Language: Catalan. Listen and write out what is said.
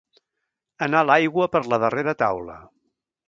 Anar l'aigua per la darrera taula.